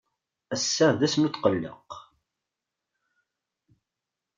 Ass-a d ass n utqelleq.